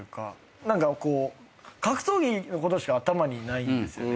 格闘技のことしか頭にないんですよね。